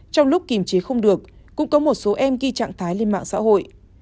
trong lúc kiềm chế không được cũng có một số em ghi trạng thái lên mạng xã hội